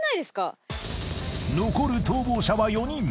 ［残る逃亡者は４人］